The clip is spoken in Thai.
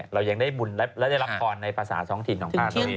เรายังได้บุญและได้รับครรภ์ในภาษาท้องถิ่นของพระธรรมอีก